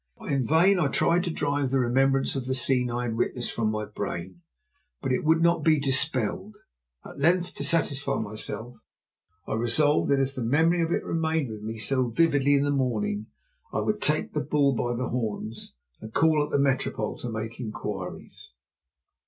In vain I tried to drive the remembrance of the scene I had witnessed from my brain, but it would not be dispelled. At length, to satisfy myself, I resolved that if the memory of it remained with me so vividly in the morning I would take the bull by the horns and call at the Métropole to make inquiries.